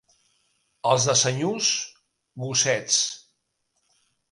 Els de Senyús, gossets.